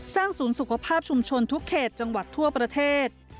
ศูนย์สุขภาพชุมชนทุกเขตจังหวัดทั่วประเทศ